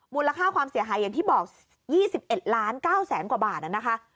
มูลค่าความเสียหายอย่างที่บอก๒๑ล้าน๙แสนกว่าบาทนะคะ